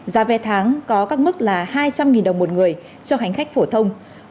giá vé tháng có các mức là hai trăm linh đồng một người cho hành khách phổ thông